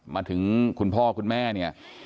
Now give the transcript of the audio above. มาถึงคุณพ่อคุณแม่เนี่ย